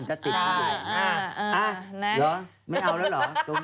น้ำสิ่งที่จะติด